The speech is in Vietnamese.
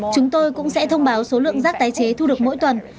chúng tôi cũng sẽ thông báo số lượng rác tái chế thu được mỗi tuần